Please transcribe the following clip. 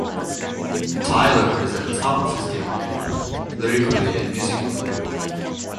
Tyler is at the top of his game here lyrically and musically.